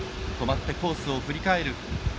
止まってコースを振り返る。